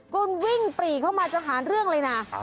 คุณวิ่งปรีเข้ามาจะหาเรื่องเลยนะ